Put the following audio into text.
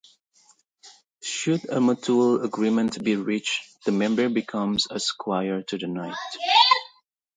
Should a mutual agreement be reached, the member becomes a Squire to the Knight.